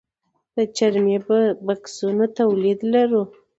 د څرمي بکسونو تولید لرو؟